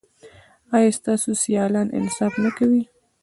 ایا ستاسو سیالان انصاف نه کوي؟